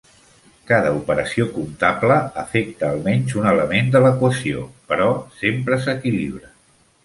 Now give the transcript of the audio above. Cada operació comptable afecta al menys un element de l'equació, però sempre s'equilibra.